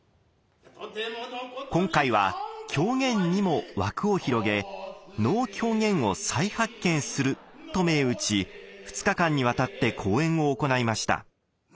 今回は狂言にも枠を広げ「能・狂言を再発見する」と銘打ち２日間にわたって公演を行いました。